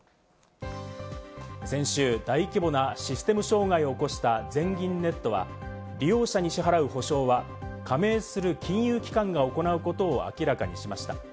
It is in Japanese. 先週、大規模なシステム障害を起こした全銀ネットは、利用者に支払う補償は、加盟する金融機関が行うことを明らかにしました。